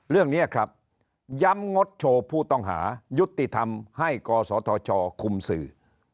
เรื่องนี้ครับย้ำงดโชว์ผู้ต้องหายุติธรรมให้กศธชคุมสื่อ